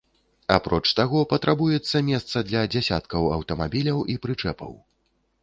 Апроч таго, патрабуецца месца для дзясяткаў аўтамабіляў і прычэпаў.